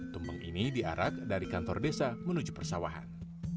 tumpeng ini diarak dari kantor desa menuju persawahan